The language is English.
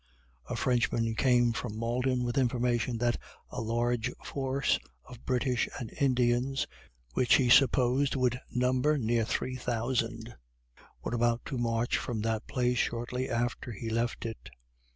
A Frenchman came from Malden with information that a large force of British and Indians which he supposed would number near three thousand were about to march from that place shortly after he left it.